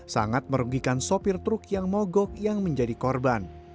sangat merugikan sopir truk yang mogok yang menjadi korban